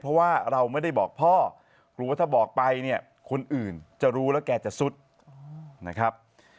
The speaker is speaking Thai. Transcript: เพราะว่าเราไม่ได้บอกพ่อกลัวว่าถ้าบอกไปเนี่ยคนอื่นจะรู้แล้วแกจะสุดนะครับ